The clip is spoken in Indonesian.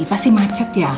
pasti macet ya